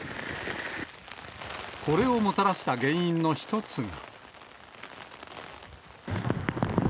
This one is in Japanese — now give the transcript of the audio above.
これをもたらした原因の一つが。